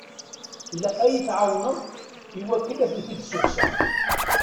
Ilaq ad yi-tɛawneḍ i wakken ad tent-id-sukkseɣ.